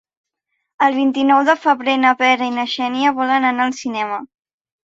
El vint-i-nou de febrer na Vera i na Xènia volen anar al cinema.